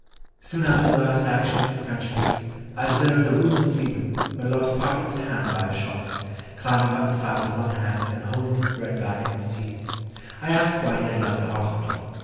"Soon after the last action with the French fleet, I observed a wounded seaman, who had lost part of his hand by a shot, climbing up the side with one hand, and holding his bread bag in his teeth. I asked why he had left the hospital.